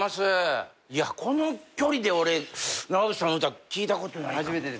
いやこの距離で俺長渕さんの歌聴いたことないかも。